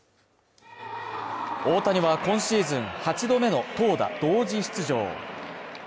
大谷は今シーズン８度目の投打同時出場。